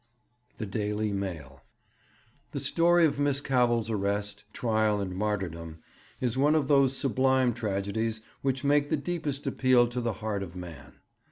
The Daily Mail. 'The story of Miss Cavell's arrest, trial, and martyrdom is one of those sublime tragedies which make the deepest appeal to the heart of man.